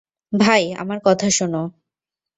ভাই, আমার কথা শোন।